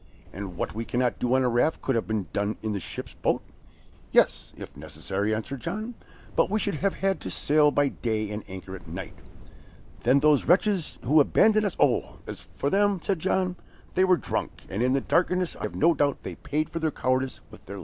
"And what we cannot do on a raft could have been done in the ship's boat?" "Yes, if necessary," answered John; "but we should have had to sail by day and anchor at night." "Then those wretches who abandoned us " "Oh, as for them," said John, "they were drunk, and in the darkness I have no doubt they paid for their cowardice with their lives."